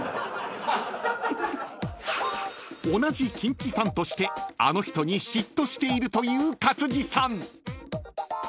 ［同じキンキファンとしてあの人に嫉妬しているという勝地さん］